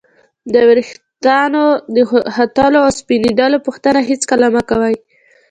د ورېښتانو د ختلو او سپینېدلو پوښتنه هېڅکله مه کوئ!